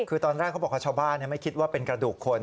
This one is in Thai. คือตอนแรกเขาบอกว่าชาวบ้านไม่คิดว่าเป็นกระดูกคน